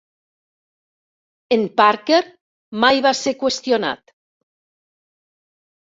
En Parker mai va ser qüestionat.